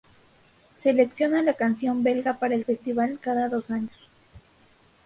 Selecciona la canción belga para el festival cada dos años.